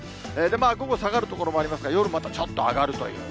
午後下がる所もありますが、夜またちょっと上がるという。